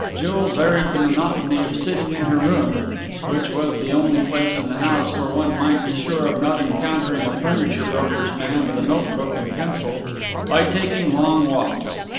Jill varied the monotony of sitting in her room which was the only place in the house where one might be sure of not encountering a furniture broker's man with a note book and pencil by taking long walks.